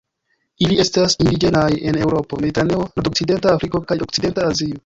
Ili estas indiĝenaj en Eŭropo, Mediteraneo, nordokcidenta Afriko kaj okcidenta Azio.